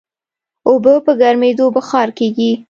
اوبه په ګرمېدو بخار کېږي.